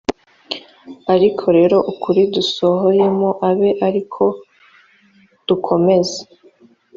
ariko rero ukuri dusohoyemo abe ari ko dukomeza